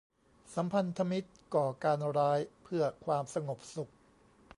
สัมพันธมิตรก่อการร้ายเพื่อความสงบสุข